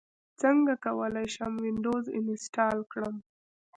څنګه کولی شم وینډوز انسټال کړم